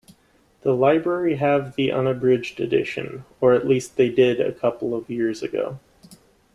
The library have the unabridged edition, or at least they did a couple of years ago.